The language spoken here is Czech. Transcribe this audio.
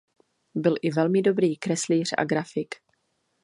Byl i velmi dobrý kreslíř a grafik.